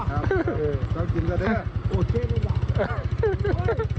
ถ้าเอาจิ้นเราได้ไหม